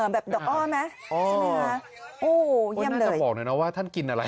แบบดอกอ้อมมั้ยใช่ไหมฮะโอ้เยี่ยมเลยน่าจะบอกหน่อยนะว่าท่านกินอะไร